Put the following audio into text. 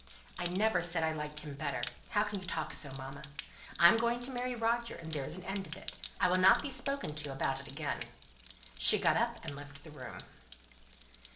"I never said I liked him better, how can you talk so, mamma? I'm going to marry Roger, and there's an end of it. I will not be spoken to about it again." She got up and left the room.